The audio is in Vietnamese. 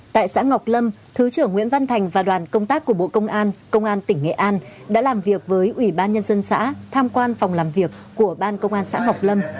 tại xã ngọc lâm thứ trưởng nguyễn văn thành và đoàn công tác của bộ công an công an tỉnh nghệ an đã làm việc với ủy ban nhân dân xã tham quan phòng làm việc của ban công an xã ngọc lâm